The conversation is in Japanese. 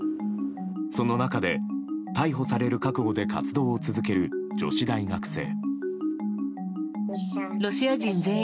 その中で、逮捕される覚悟で活動を続ける女子大学生。